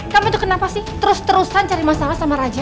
kamu itu kenapa sih terus terusan cari masalah sama raja